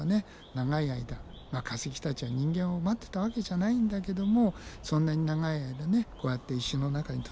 長い間化石たちは人間を待ってたわけじゃないんだけどもそんなに長い間ねこうやって石の中に閉じ込められていたならば